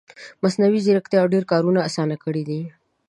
مصنوعي ځیرکتیا ډېر کارونه اسانه کړي دي